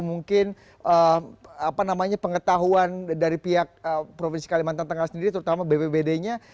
mungkin pengetahuan dari pihak provinsi kalimantan tengah sendiri terutama bpbd nya